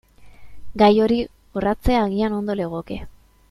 Gai hori jorratzea agian ondo legoke.